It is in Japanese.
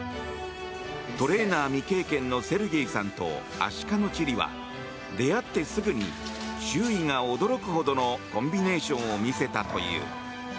トレーナー未経験のセルゲイさんとアシカのチリは、出会ってすぐに周囲が驚くほどのコンビネーションを見せたという。